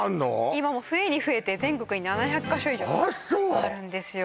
今もう増えに増えて全国に７００か所以上あるんですよ